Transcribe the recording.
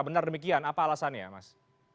benar demikian apa alasannya mas